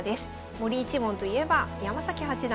森一門といえば山崎八段